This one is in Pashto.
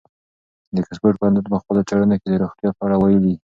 د اکسفورډ پوهنتون په خپلو څېړنو کې د روغتیا په اړه ویلي.